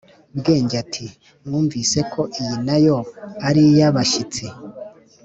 bwenge ati "mwumvise ko iyi na yo ari iy'abashyitsi,